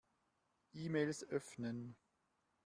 E-Mails öffnen.